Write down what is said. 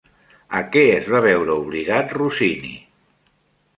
A què es va veure obligat Rossini?